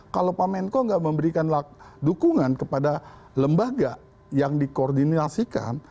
kalau pak menko tidak memberikan dukungan kepada lembaga yang dikoordinasikan